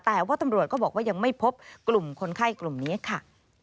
แต่ว่าตำรวจก็บอกว่ายังไม่พบกลุ่มคนไข้กลุ่มนี้ค่ะ